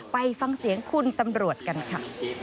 ไปฟังเสียงคุณตำรวจกันค่ะ